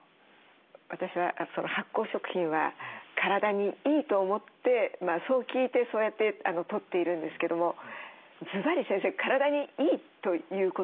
私は発酵食品は体にいいと思ってそう聞いてそうやってとっているんですけどもずばり先生体にいいということなんでしょうか？